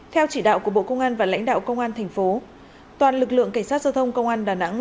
theo chỉ đạo của bộ công an và lãnh đạo công an thành phố toàn lực lượng cảnh sát giao thông công an đà nẵng